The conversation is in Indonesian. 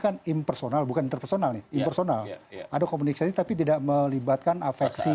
kan impersonal bukan iterpersonal nih impersonal ada komunikasi tapi tidak melibatkan afeksi